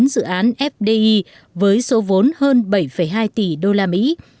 một trăm hai mươi chín dự án fdi với số vốn hơn bảy hai tỷ usd